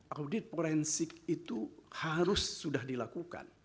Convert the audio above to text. audit forensik itu harus sudah dilakukan